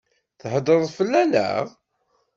Theddṛeḍ fell-aneɣ?